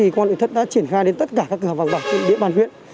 công an nội thất đã triển khai đến tất cả các cửa hàng vàng bạc trên địa bàn huyện